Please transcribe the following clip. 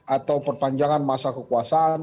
atau perpanjangan masa kekuasaan